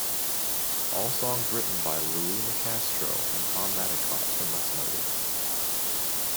All songs written by Louie Nicastro and Tom Maddicott unless noted.